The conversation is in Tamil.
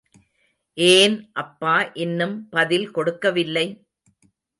ஏன் அப்பா இன்னும் பதில் கொடுக்கவில்லை?